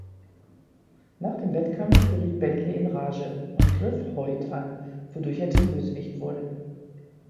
Nach dem Wettkampf geriet Bentley in Rage und griff Hoyt an, wodurch er zum Bösewicht wurde.